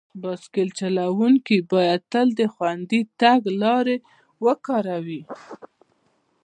بایسکل چلونکي باید تل د خوندي تګ لارې وکاروي.